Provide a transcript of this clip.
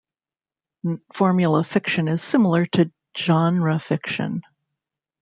Formula fiction is similar to genre fiction.